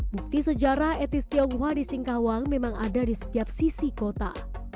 bukti sejarah etnis tionghoa di singkawang memang ada di setiap sisi kota